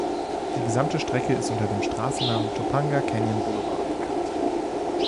Die gesamte Strecke ist unter dem Straßennamen Topanga Canyon Boulevard bekannt.